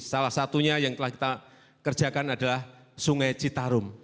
salah satunya yang telah kita kerjakan adalah sungai citarum